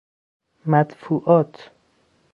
مدفوعات